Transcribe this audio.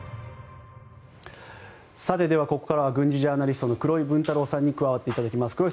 ここからは軍事ジャーナリストの黒井文太郎さんに加わっていただきます。